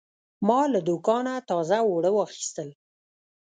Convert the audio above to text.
ما له دوکانه تازه اوړه واخیستل.